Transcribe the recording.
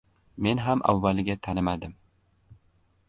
— Men ham avvaliga tanimadim...